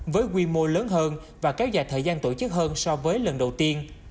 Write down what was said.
với quy mô lớn hơn và kéo dài thời gian tổ chức hơn so với lần đầu tiên